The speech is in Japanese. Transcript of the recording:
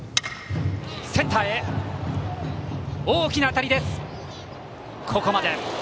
センターへ大きな当たりですがここまで。